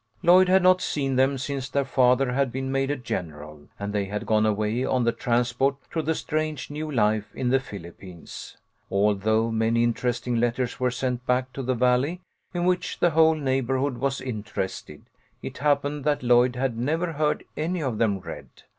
Lloyd had not seen them since their father had been made a general, and they had gone away on HOME LESSONS. 133 the transport to the strange new life in the Philip pines. Although many interesting letters were sent back to the Valley, in which the whole neighbourhood was interested, it happened that Lloyd had never heard any of them read.